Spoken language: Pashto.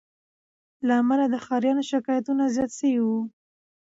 له امله د ښاریانو شکایتونه زیات سوي وه